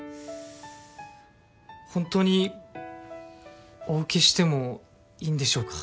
ホントにお受けしてもいいんでしょうか？